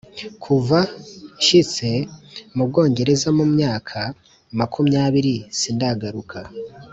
kuva nshitse mu bwongereza mu myaka makumyabiri sindagaruka